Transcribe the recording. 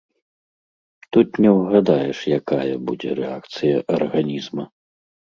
Тут не ўгадаеш, якая будзе рэакцыя арганізма.